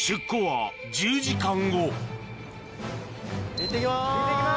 いってきます。